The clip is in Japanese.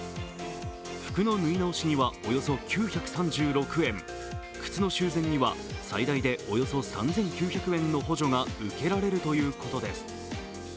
服の縫い直しには、およそ９３６円、靴の修繕には最大でおよそ３９００円の補助が受けられるということです。